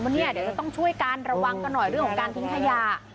เดี๋ยวจะต้องช่วยกันระวังกันหน่อยเรื่องของการทิ้งขยะ